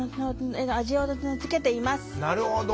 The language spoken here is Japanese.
なるほど。